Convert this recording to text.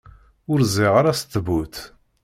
Ur ẓriɣ ara s ttbut.